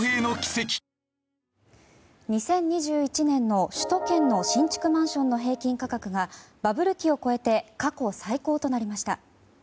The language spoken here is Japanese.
２０２１年の首都圏の新築マンションの平均価格がバブル期を超えて過去最高となりました。